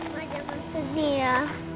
mama jangan sedih ya